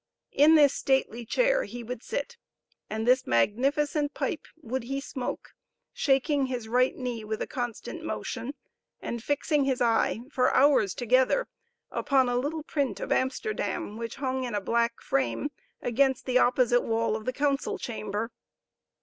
In this stately chair would he sit, and this magnificent pipe would he smoke, shaking his right knee with a constant motion, and fixing his eye for hours together upon a little print of Amsterdam, which hung in a black frame against the opposite wall of the council chamber.